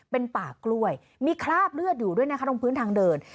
เป็นป่ากล้วยมีคราบเลือดอยู่ด้วยนะคะตรงพื้นทางเดิน